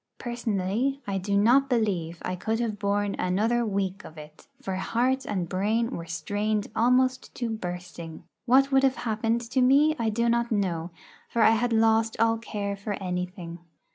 Personally, I do not believe I could have borne another week of it, for heart and brain were strained almost to bursting. What would have happened to me I do not know, for I had lost all care for anything.